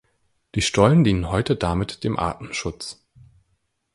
Die Stollen dienen heute damit dem Artenschutz.